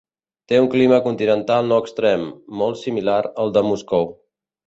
Té un clima continental no extrem, molt similar al de Moscou.